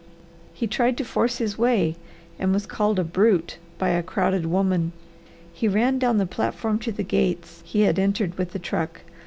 He tried to force his way and was called a brute by a crowded woman. He ran down the platform to the gates he had entered with the truck.